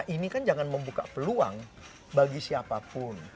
ini kan jangan membuka peluang bagi siapapun